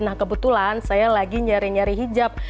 nah kebetulan saya lagi nyari nyari hijab